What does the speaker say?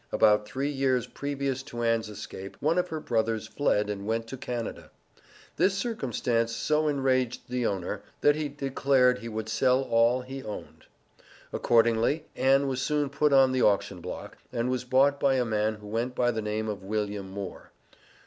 About three years previous to Ann's escape, one of her brothers fled and went to Canada. This circumstance so enraged the owner, that he declared he would "sell all" he owned. Accordingly Ann was soon put on the auction block, and was bought by a man who went by the name of William Moore.